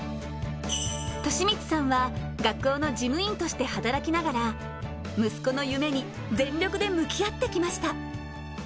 寿光さんは学校の事務員として働きながら息子の夢に全力で向き合ってきました。